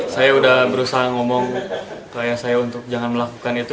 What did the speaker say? saya udah berusaha ngomong ke ayah saya untuk jangan melakukan itu